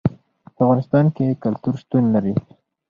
په افغانستان کې کلتور شتون لري.